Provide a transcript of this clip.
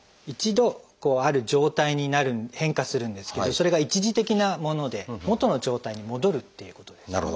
一度ある状態に変化するんですけどそれが一時的なもので元の状態に戻るっていうことです。